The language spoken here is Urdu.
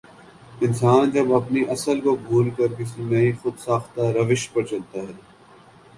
انسان جب اپنی اصل کو بھول کر کسی نئی خو د ساختہ روش پرچلتا ہے